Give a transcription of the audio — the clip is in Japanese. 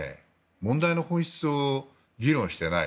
問題の本質を議論してない。